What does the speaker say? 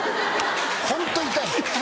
ホント痛い。